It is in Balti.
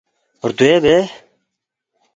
”ردوے بے؟“